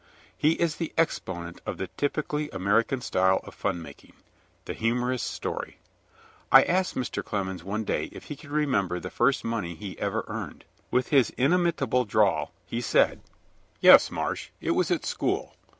He is the exponent of the typically American style of fun making, the humorous story. I asked Mr. Clemens one day if he could remember the first money he ever earned. With his inimitable drawl he said: "Yes, Marsh, it was at school.